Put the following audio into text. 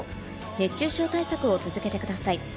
熱中症対策を続けてください。